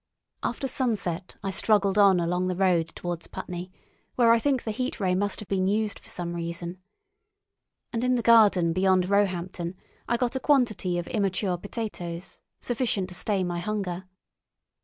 After sunset I struggled on along the road towards Putney, where I think the Heat Ray must have been used for some reason. And in the garden beyond Roehampton I got a quantity of immature potatoes, sufficient to stay my hunger.